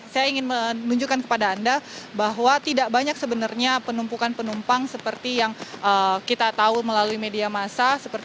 saya ingin menunjukkan kepada anda bahwa tidak banyak sebenarnya penumpukan penumpang seperti yang kita tahu melalui media massa